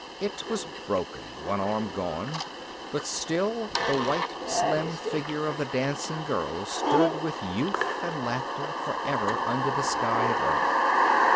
It was broken, one arm gone but still the white slim figure of the dancing girl stood with youth and laughter, forever under the sky of Earth.